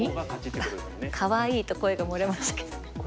かわいいと声がもれましたけど。